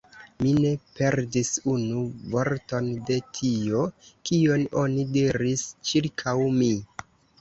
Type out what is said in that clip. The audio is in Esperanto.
Mi ne perdis unu vorton de tio, kion oni diris ĉirkaŭ mi.